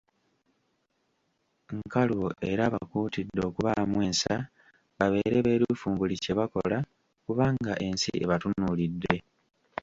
Nkalubo era abakuutidde okubaamu ensa, babeere beerufu mu buli kye bakola kubanga ensi ebatunuulidde.